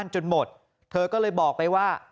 จนหมดเธอก็เลยบอกไปว่า